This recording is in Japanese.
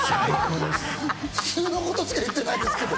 普通のことしか言ってないですけど。